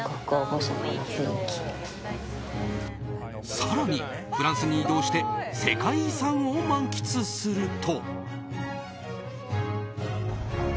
更にフランスに移動して世界遺産を満喫すると。